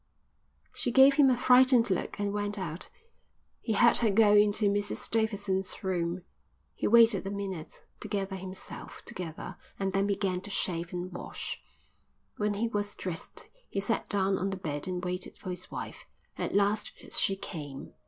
She gave him a frightened look and went out. He heard her go into Mrs Davidson's room. He waited a minute to gather himself together and then began to shave and wash. When he was dressed he sat down on the bed and waited for his wife. At last she came.